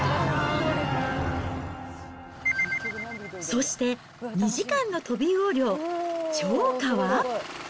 そして２時間のトビウオ漁。